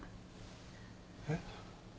えっ？